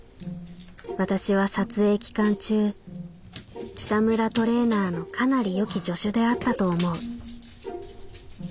「私は撮影期間中北村トレーナーのかなり良き助手であったと思う」。